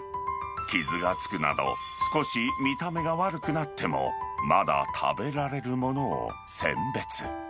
傷がつくなど、少し見た目が悪くなっても、まだ食べられるものを選別。